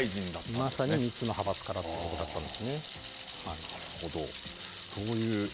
まさに３つの派閥からということだったんです。